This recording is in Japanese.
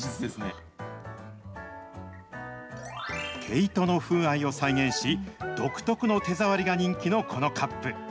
毛糸の風合いを再現し、独特の手触りが人気のこのカップ。